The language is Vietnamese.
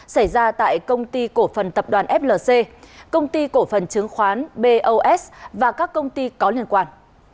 xảy ra tại công ty cổ phần tập đoàn flc công ty cổ phần chứng khoán bos và các công ty có liên quan